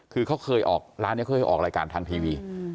คือเขาเคยออกร้านนี้เคยออกรายการทางทีวี